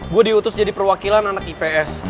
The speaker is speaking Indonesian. gue diutus jadi perwakilan anak ips